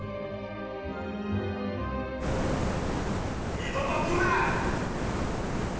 二度と来るな！